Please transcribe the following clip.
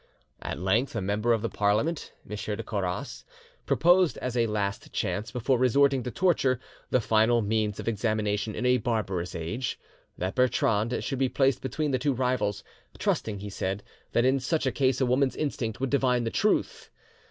At length a member of the Parliament, M. de Coras, proposed as a last chance before resorting to torture, that final means of examination in a barbarous age, that Bertrande should be placed between the two rivals, trusting, he said, that in such a case a woman's instinct would divine the truth.